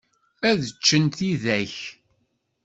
Ad ččen tidak.